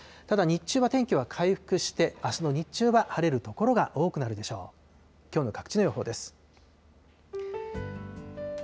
ただ日中は天気は回復して、あすの日中は晴れる所が多くなるでしょう。